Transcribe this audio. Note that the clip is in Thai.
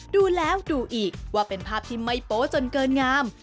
ดูแล้วดูอีกว่าเป็นภาพที่ไม่โป๊จนเกินงาม